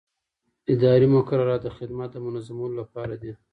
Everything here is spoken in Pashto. اداري مقررات د خدمت د منظمولو لپاره دي.